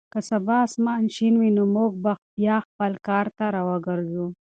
که سبا اسمان شین وي نو موږ به بیا خپل کار ته راوګرځو.